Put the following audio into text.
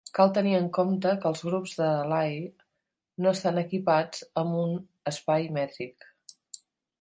Cal tenir en compte que els grups de Lie no estan equipats amb un espai mètric.